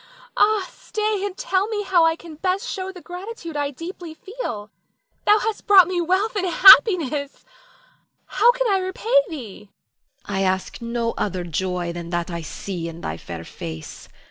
Nina. Ah, stay and tell me how can I best show the gratitude I deeply feel. Thou hast brought me wealth and happiness, how can I repay thee? Hagar. I ask no other joy than that I see in thy fair face.